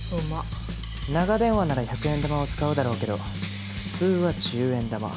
長電話なら１００円玉を使うだろうけど普通は１０円玉。